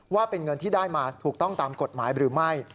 ว่าเป็นเงินที่ได้มาถูกต้องตามกฎหมายหรือไม่